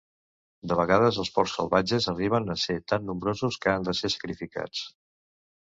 De vegades, els porcs salvatges arriben a ser tan nombrosos que han de ser sacrificats.